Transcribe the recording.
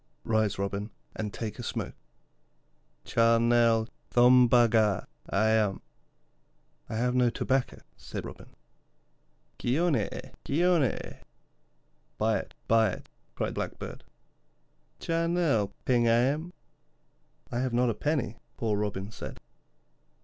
'Rise, Robin, and take a smoke.' 'Cha nel thombaga aym.' 'I have no tobacco,' said Robin. 'Kionn eh, kionn eh.' 'Buy it, buy it,' cried Blackbird. 'Cha nel ping aym.' 'I have not a penny,' poor Robin said.